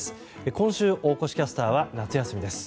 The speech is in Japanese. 今週、大越キャスターは夏休みです。